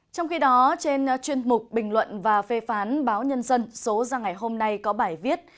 trong khi đó trên chuyên mục bình luận và phê phán báo nhân dân số ra ngày hôm nay có bài viết